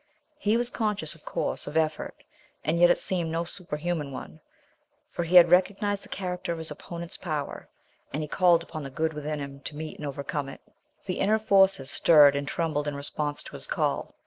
He was conscious, of course, of effort, and yet it seemed no superhuman one, for he had recognized the character of his opponent's power, and he called upon the good within him to meet and overcome it. The inner forces stirred and trembled in response to his call.